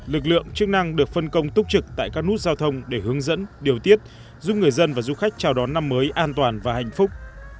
lực lượng chức năng được phân công túc trực tại các nút giao thông để hướng dẫn điều tiết giúp người dân và du khách chào đón năm mới an toàn và hạnh phúc